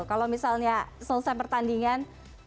kalau misalnya selesai pertandingan